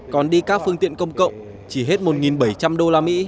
còn đi các phương tiện công cộng chỉ hết một bảy trăm linh usd